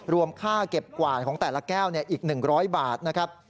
รวมค่าเก็บกวาดของแต่ละแก้วอีก๑๐๐บาทนะครับ